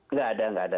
enggak ada enggak ada